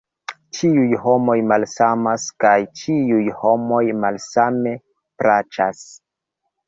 Ĉiuj homoj malsamas, kaj ĉiuj homoj malsame plaĉas.